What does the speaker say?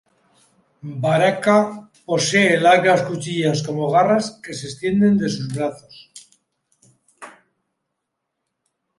Baraka posee largas cuchillas como garras que se extienden de sus brazos.